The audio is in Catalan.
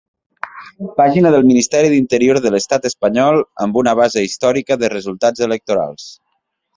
Pàgina del Ministeri d'Interior de l'Estat Espanyol amb una base històrica de resultats electorals.